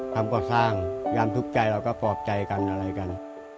ความก่อสร้างความทุกข์ใจเราก็ปลอบใจกันอะไรกัน